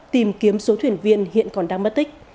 tìm kiếm số thuyền viên hiện còn đang mất tích